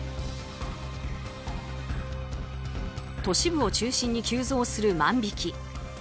都市部を中心に急増する万引き。